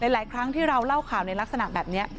หลายครั้งที่เราเล่าข่าวในลักษณะแบบนี้